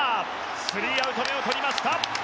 スリーアウト目をとりました。